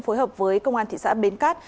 phối hợp với công an thị xã bến cát